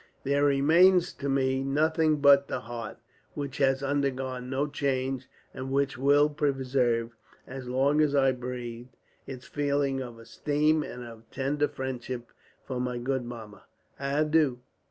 There remains to me nothing but the heart, which has undergone no change; and which will preserve, as long as I breathe, its feelings of esteem and of tender friendship for my good Mamma. "Adieu."